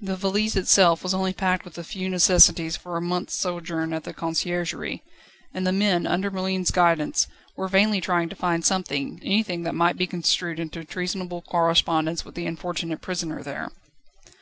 The valise itself was only packed with the few necessaries for a month's sojourn at the Conciergerie; and the men, under Merlin's guidance, were vainly trying to find something, anything that might be construed into treasonable correspondence with the unfortunate prisoner there.